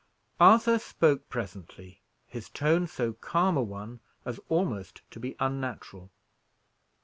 Arthur spoke presently, his tone so calm a one as almost to be unnatural.